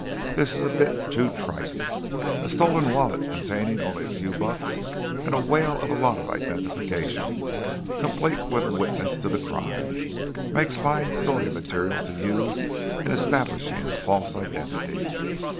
This is a bit too trite. A stolen wallet containing only a few bucks and a whale of a lot of identification, complete with a witness to the crime, makes fine story material to use in establishing a false identity.